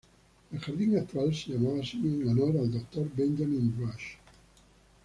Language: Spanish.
El jardín actual se llama así en honor al Dr. Benjamin Rush.